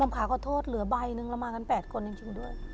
ขาขอโทษเหลือใบหนึ่งเรามากัน๘คนจริงด้วย